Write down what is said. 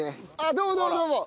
どうもどうもどうも！